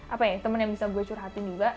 apa ya temen yang bisa gue curhatin juga